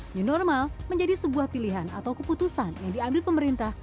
new normal menjadi sebuah pilihan atau keputusan yang diambil pemerintah